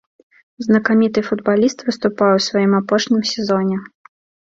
Знакаміты футбаліст выступае ў сваім апошнім сезоне.